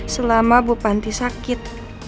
selama bu panti sakit